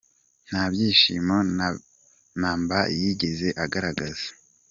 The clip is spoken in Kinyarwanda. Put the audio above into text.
Nta byishimo na mba yigeze agaragaza.